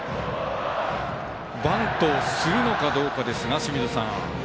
バントをするのかどうかですが、清水さん。